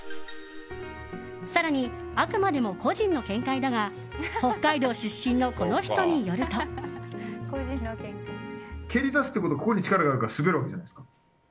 更に、あくまでも個人の見解だが北海道出身のこの人によると。蹴りだすということはここに力があるから滑るわけじゃないですか。